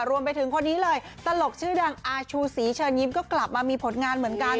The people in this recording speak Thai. รวมไปถึงคนนี้เลยตลกชื่อดังอาชูศรีเชิญยิ้มก็กลับมามีผลงานเหมือนกัน